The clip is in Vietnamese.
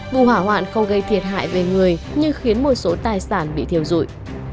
vụ hỏa hoạn không gây thiệt hại về người nhưng khiến một số tài sản bị thiếu rụi